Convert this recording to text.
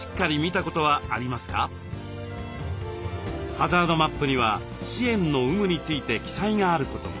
ハザードマップには支援の有無について記載があることも。